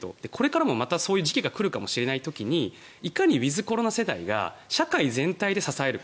今後もそういう状況が来るかもしれない時にいかにウィズコロナ世代が社会全体で支えるか。